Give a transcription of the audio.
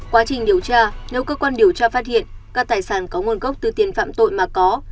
quá trình điều tra nếu cơ quan điều tra phát hiện các tài sản có nguồn gốc từ tiền phạm tội mà có